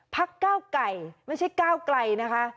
ก้าวไก่ไม่ใช่ก้าวไกลนะคะ